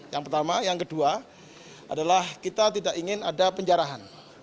yang pertama yang kedua adalah kita tidak ingin ada penjarahan